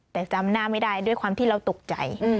แต่จำหน้าไม่ได้ด้วยความที่เราตกใจ